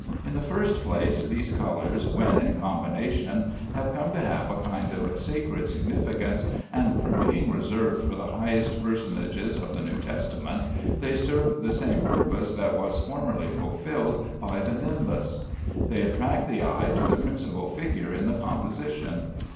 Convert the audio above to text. In the first place, these colors (when in combination) have come to have a kind of sacred significance, and from being reserved for the highest personages of the New Testament, they serve the same purpose that was formerly fulfilled by the nimbus. They attract the eye to the principal figure in the composition.